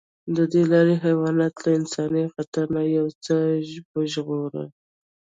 دې لارې حیوانات له انساني خطر نه یو څه وژغورل.